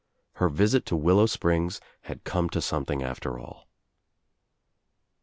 Her visit to Willow Springs had come to something after all.